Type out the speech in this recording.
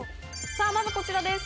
さあ、まずこちらです。